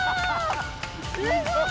すごい！